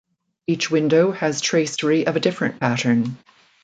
Each window has tracery of a different pattern.